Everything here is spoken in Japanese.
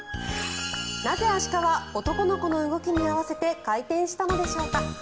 なぜアシカは男の子の動きに合わせて回転したのでしょうか。